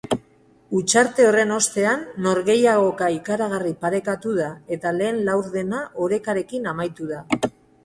Hutsarte horren ostean norgehiagoka ikaragarri parekatu da eta lehen laurdena orekarekin amaitu da.